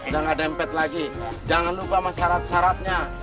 jangan serahkan masalah terjerat